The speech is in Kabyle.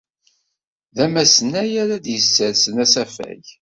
D amesnay ara d-yessersen asafag.